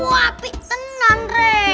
wah api tenang re